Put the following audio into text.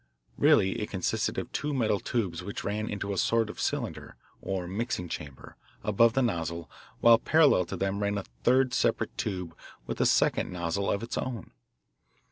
Really it consisted of two metal tubes which ran into a sort of cylinder, or mixing chamber, above the nozzle, while parallel to them ran a third separate tube with a second nozzle of its own.